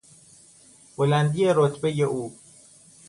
بلندی رتبه او